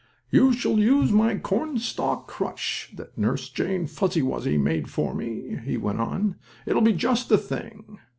"You shall use my cornstalk crutch, that Nurse Jane Fuzzy Wuzzy made for me," he went on. "It will be just the thing."